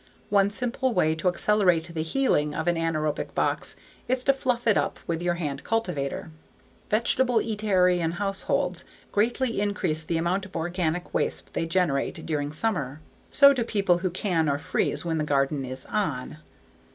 One simple way to accelerate the "healing" of an anaerobic box is to fluff it up with your hand cultivator. Vegetableatarian households greatly increase the amount of organic waste they generate during summer. So do people who can or freeze when the garden is "on."